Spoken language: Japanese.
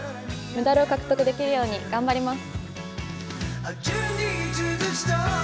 メダルを獲得できるように頑張ります。